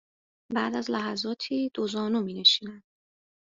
بعد از لحظاتی دو زانو می نشینند